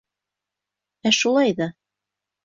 Ә шулай ҙа?